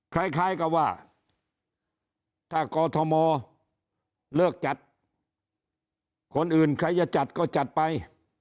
คล้ายกับว่าถ้ากอทมเลิกจัดคนอื่นใครจะจัดก็จัดไป